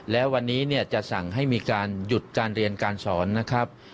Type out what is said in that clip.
แล้ววันนี้เนี่ยจะสั่งให้มีการหยุดการเรียนการสอนนะครับ